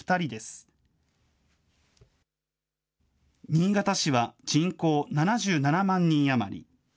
新潟市は、人口７７万人余り。